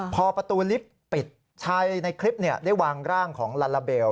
พอประตูลิฟต์ปิดชายในคลิปได้วางร่างของลาลาเบล